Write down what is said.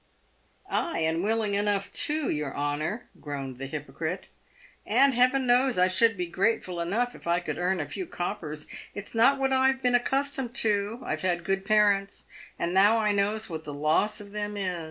"Ay! and willing enough too, your honour," groaned the hypo crite. " And, Heaven knows, I should be grateful enough, if I could earn a few coppers. It's not what I've been accustomed to. I've had good parents, and now I knows what the loss of them is.